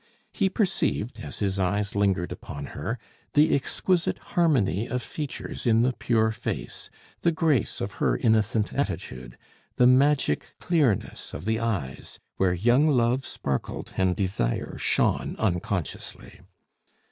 He perceived, as his eyes lingered upon her, the exquisite harmony of features in the pure face, the grace of her innocent attitude, the magic clearness of the eyes, where young love sparkled and desire shone unconsciously.